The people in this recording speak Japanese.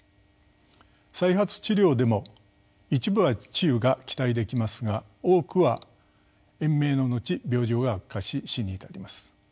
再発治療でも一部は治癒が期待できますが多くは延命の後病状が悪化し死に至ります。